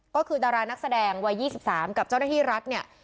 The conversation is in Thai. ก็คือดารานักแสดงวัย๒๓กับเจ้าหน้าที่รัฐเนี่ย